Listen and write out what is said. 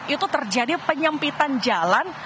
itu terjadi penyempitan jalan